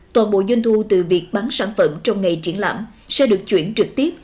toàn bộ doanh thu từ việc bán sản phẩm trong ngày triển lãm sẽ được chuyển trực tiếp